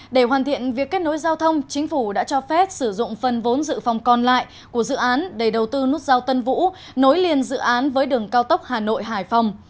để hoàn thiện việc kết nối giao thông chính phủ đã cho phép sử dụng phần vốn dự phòng còn lại của dự án để đầu tư nút giao tân vũ nối liền dự án với đường cao tốc hà nội hải phòng